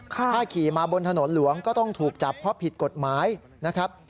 ถ้าขี่มาบนถนนหลวงก็ต้องถูกจับเพราะผิดกฎหมายนะครับ